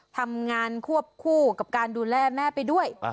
ทำงานควบคู่กับการดูแลแม่ไปด้วย